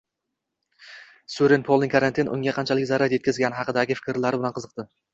Suren Polning karantin unga qanchalik zarar etkazgani haqidagi fikrlari bilan qiziqdi